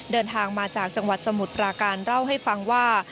เดินทางมาจากจังหวัดสมุทรปราการเล่าให้ฟังว่า